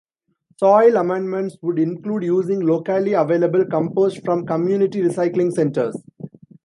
Soil amendments would include using locally available compost from community recycling centers.